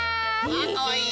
あかわいい。